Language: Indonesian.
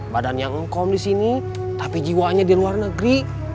badannya ngom di sini tapi jiwanya di luar negeri